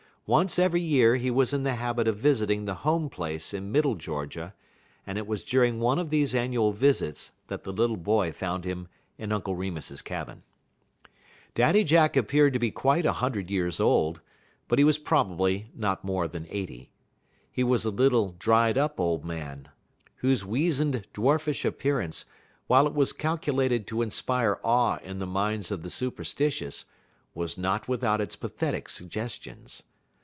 Once every year he was in the habit of visiting the Home Place in Middle Georgia, and it was during one of these annual visits that the little boy found him in Uncle Remus's cabin. Daddy Jack appeared to be quite a hundred years old, but he was probably not more than eighty. He was a little, dried up old man, whose weazened, dwarfish appearance, while it was calculated to inspire awe in the minds of the superstitious, was not without its pathetic suggestions.